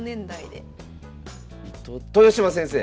豊島先生！